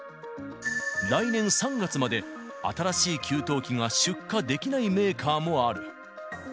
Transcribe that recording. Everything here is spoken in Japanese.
来年３月まで、新しい給湯器が出荷できないメーカーもある。